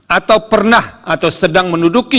atau pernah atau sedang menduduki